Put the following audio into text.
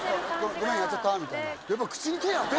ごめんやっちゃったみたいな。